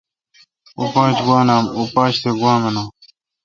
اوں پاچ نام گوا۔۔۔۔۔اوں پاچ تہ گوا منان